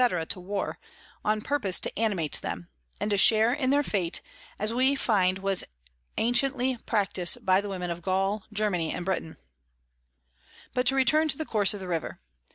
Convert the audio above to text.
_ to War, on purpose to animate them, and to share in their Fate, as we find was antiently practis'd by the Women of Gaul, Germany, and Britain. But to return to the Course of the River.